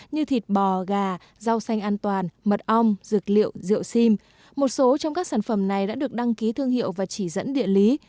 như thịt bò gà rau xanh an toàn mật ong dược liệu rượu sim một số trong các sản phẩm này đã được đăng ký thương hiệu và chỉ dẫn địa lý